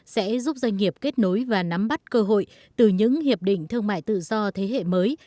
sẽ giúp doanh nghiệp kết nối và nắm bắt cơ hội từ những hiệp định thương mại tự do thế hệ mới